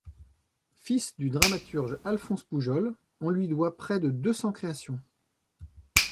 Fils du dramaturge Alphonse Poujol, on lui doit près de deux cents créations.